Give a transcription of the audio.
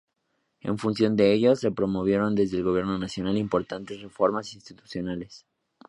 En función de ello, se promovieron desde el Gobierno nacional importantes reformas institucionales.